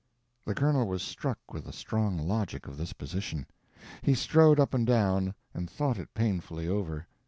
The Colonel was struck with the strong logic of this position. He strode up and down, and thought it painfully over.